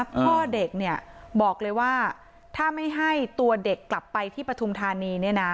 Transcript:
พ่อเด็กเนี่ยบอกเลยว่าถ้าไม่ให้ตัวเด็กกลับไปที่ปฐุมธานีเนี่ยนะ